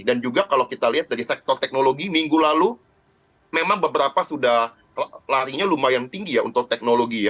dan juga kalau kita lihat dari sektor teknologi minggu lalu memang beberapa sudah larinya lumayan tinggi ya untuk teknologi